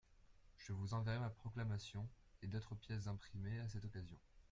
Je vous enverrai ma proclamation et d'autres pièces imprimées à cette occasion.